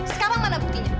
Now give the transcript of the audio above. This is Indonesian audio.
sekarang mana buktinya